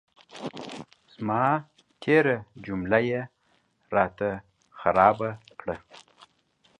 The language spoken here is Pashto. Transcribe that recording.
زما تېره جمله یې را ته خرابه کړه.